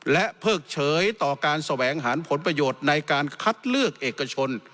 และเพิกเฉยต่อการแสวงหาผลประโยชน์ในการคัดเลือกเอกชน